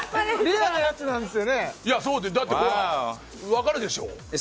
だって分かるでしょう。